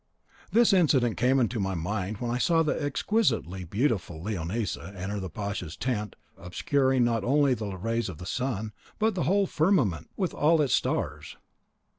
This incident came into my mind when I saw the exquisitely beautiful Leonisa enter the pasha's tent obscuring not only the rays of the sun, but the whole firmament with all its stars."